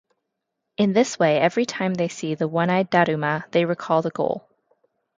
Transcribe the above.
In this way, every time they see the one-eyed Daruma, they recall the goal.